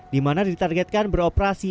di mana ditargetkan beroperasi